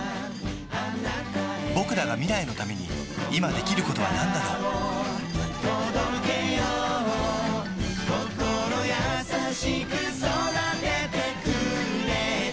ぼくらが未来のために今できることはなんだろう心優しく育ててくれた